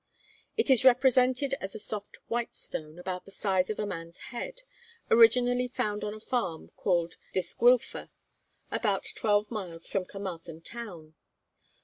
It is represented as a soft white stone, about the size of a man's head, originally found on a farm called Dysgwylfa, about twelve miles from Carmarthen town.